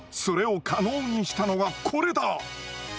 それを可能にしたのはこれだ！